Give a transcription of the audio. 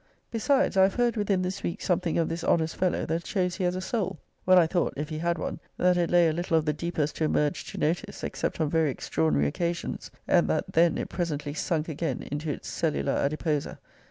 Besides, I have heard within this week something of this honest fellow that shows he has a soul; when I thought, if he had one, that it lay a little of the deepest to emerge to notice, except on very extraordinary occasions; and that then it presently sunk again into its cellula adiposa.